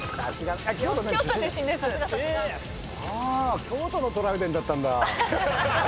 あ京都のトラウデンだったんだ。